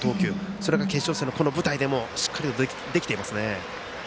それが決勝戦のこの舞台でもしっかりとできていますね。